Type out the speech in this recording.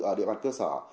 ở địa bàn cơ sở